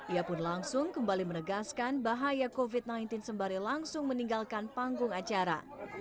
ia pun langsung kembali menegaskan bahaya covid sembilan belas sembari langsung meninggalkan panggung acara